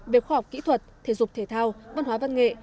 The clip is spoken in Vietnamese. về khoa học kỹ thuật thể dục thể thao văn hóa văn nghệ